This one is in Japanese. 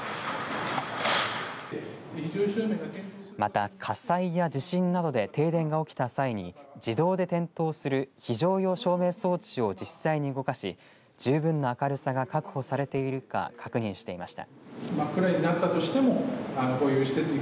また、火災や地震などで停電が起きた際に自動で点灯する非常用照明装置を実際に動かし、十分な明るさが確保されているか確認しました。